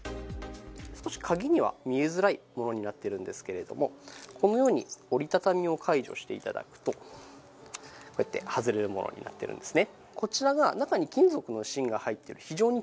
少し鍵には見えづらいものになっているんですけれども、このように折り畳みを解除していただくと、こうやって外れるものになっているんですね。